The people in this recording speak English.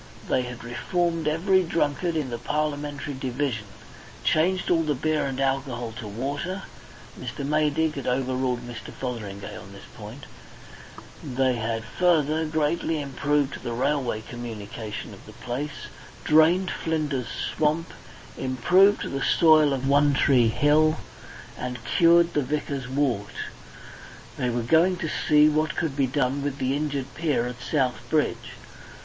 They had reformed every drunkard in the Parliamentary division, changed all the beer and alcohol to water (Mr. Maydig had overruled Mr. Fotheringay on this point); they had, further, greatly improved the railway communication of the place, drained Flinder's swamp, improved the soil of One Tree Hill, and cured the vicar's wart. And they were going to see what could be done with the injured pier at South Bridge.